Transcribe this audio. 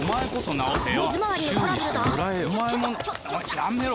やめろ！